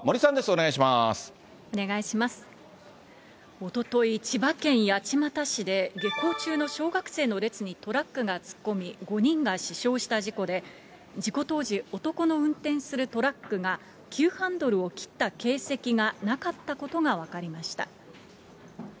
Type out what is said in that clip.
おととい、千葉県八街市で、下校中の小学生の列にトラックが突っ込み５人が死傷した事故で、事故当時、男の運転するトラックが、急ハンドルを切った形跡がなかったことが分かりました。